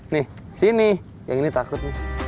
nih sini yang ini takut